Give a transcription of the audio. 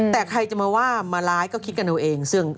แต่ใครจะมาว่ามาร้ายก็คิดกันเอาเอง